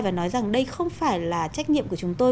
và nói rằng đây không phải là trách nhiệm của chúng tôi